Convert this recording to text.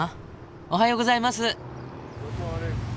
おはようございます！